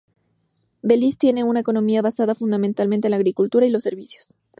Belice tiene una economía basada fundamentalmente en la agricultura y los servicios.